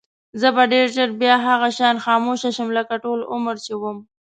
زه به ډېر ژر بیا هغه شان خاموشه شم لکه ټول عمر چې وم.